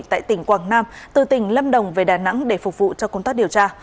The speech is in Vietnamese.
tại tỉnh quảng nam từ tỉnh lâm đồng về đà nẵng để phục vụ cho công tác điều tra